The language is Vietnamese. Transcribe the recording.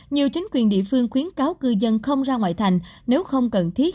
nhiều chính quyền địa phương khuyến cáo cư dân không ra ngoại thành nếu không cần thiết